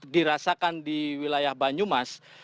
dirasakan di wilayah banyumas